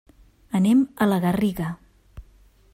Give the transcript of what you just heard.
Anem a la Garriga.